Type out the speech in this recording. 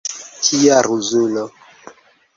Kia ruzulo!